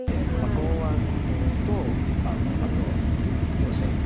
剛腕とあとヨセ。